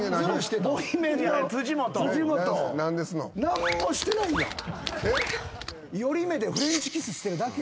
何もしてないやん。